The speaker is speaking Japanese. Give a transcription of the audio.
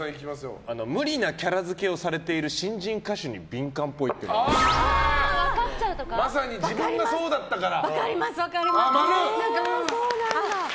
無理なキャラ付けをされている新人歌手にまさに自分がそうだったから。